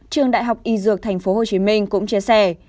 trường đại học y dược tp hcm cũng chia sẻ